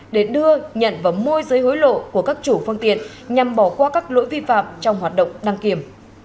để đưa nhận và môi giới hối lộ của các chủ phương tiện nhằm bỏ qua các lỗi vi phạm trong hoạt động đăng kiểm